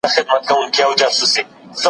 ښوونه او روزنه د هر ماشوم حق دی.